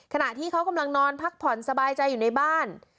ขณะที่เขากำลังนอนพักผ่อนสบายใจอยู่ในบ้าน